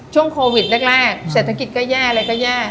ช่วงโควิดแรกเศรษฐกิจก็แย่อะไรก็แย่